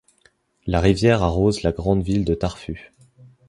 La rivière arrose la grande ville de Tartu.